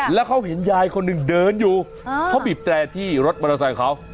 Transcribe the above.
แล้วเขาเห็นยายคนหนึ่งเดินอยู่เขาบีบแตรที่รถมอเตอร์ไซค์เขา